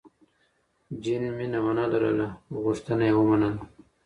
جین مینه ونه لرله، خو غوښتنه یې ومنله.